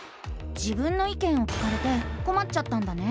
「自分の意見」を聞かれてこまっちゃったんだね？